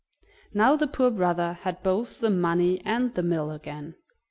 Now the poor brother had both the money and the mill again.